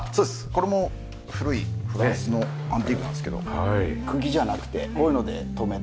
これも古いフランスのアンティークなんですけど釘じゃなくてこういうので留めて。